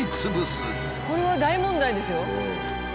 これは大問題ですよ。